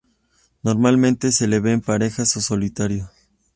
Normalmente se les ve en parejas o solitarios.